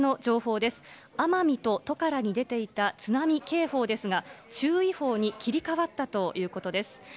奄美とトカラに出ていた津波警報ですが、注意報に切り替わったということです。